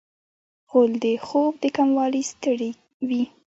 غول د خوب د کموالي ستړی وي.